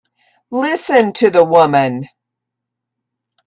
Listen to the woman!